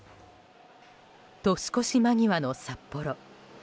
年越し間際の札幌。